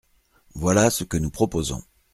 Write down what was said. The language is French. Voilà ce que nous proposons.